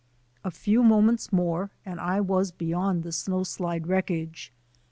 A few moments more and I was beyond the snowslide wreckage.